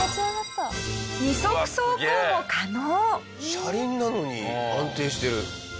車輪なのに安定してる。